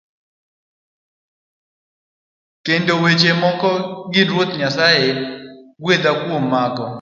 Kendo weche moko gin Ruoth Nyasaye gwedhe kuom mago.